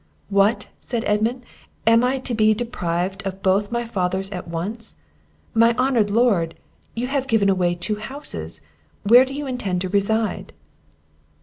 "What," said Edmund, "am I to be deprived of both my fathers at once? My honoured lord, you have given away two houses where do you intend to reside?"